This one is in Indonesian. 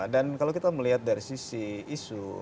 dan kalau kita melihat dari sisi isu